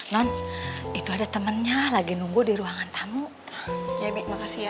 non itu ada temannya lagi nunggu di ruangan tamu ya makasih ya